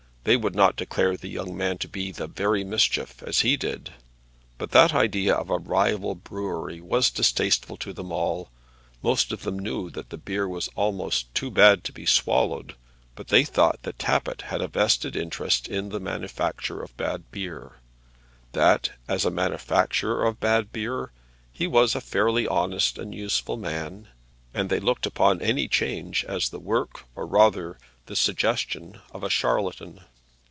They would not declare the young man to be the very Mischief, as he did. But that idea of a rival brewery was distasteful to them all. Most of them knew that the beer was almost too bad to be swallowed; but they thought that Tappitt had a vested interest in the manufacture of bad beer; that as a manufacturer of bad beer he was a fairly honest and useful man; and they looked upon any change as the work, or rather the suggestion, of a charlatan.